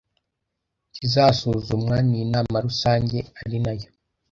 ikazasuzumwa n inama rusange ari nayo